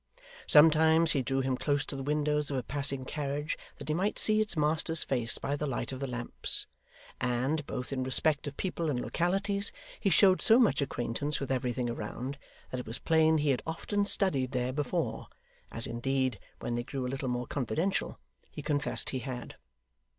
Sometimes he drew him close to the windows of a passing carriage, that he might see its master's face by the light of the lamps; and, both in respect of people and localities, he showed so much acquaintance with everything around, that it was plain he had often studied there before; as indeed, when they grew a little more confidential, he confessed he had.